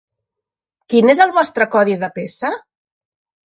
Quin és el vostre codi de peça?